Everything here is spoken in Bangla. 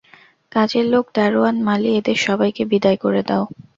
কাজের লোক, দারোয়ান, মালী, এদের সবাইকে বিদায় করে দাও।